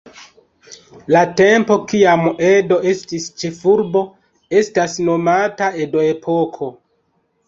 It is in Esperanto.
La tempo kiam Edo estis ĉefurbo, estas nomata Edo-epoko.